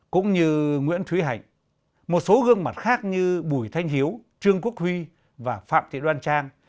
cũng như nguyễn thúy hạnh một số gương mặt khác như bùi thanh hiếu trương quốc huy và phạm thị đoan trang